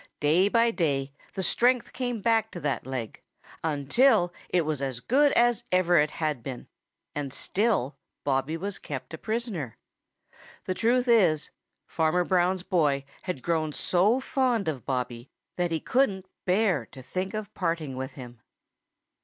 Day by day the strength came back to that leg until it was as good as ever it had been, and still Bobby was kept a prisoner. The truth is, Farmer Brown's boy had grown so fond of Bobby that he couldn't bear to think of parting with him.